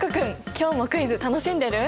今日もクイズ楽しんでる？